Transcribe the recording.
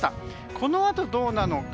このあと、どうなのか。